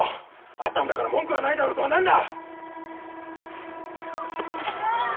会ったんだから文句はないだろとは何だ！